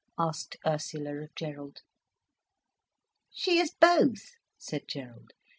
asked Ursula of Gerald. "She is both," said Gerald.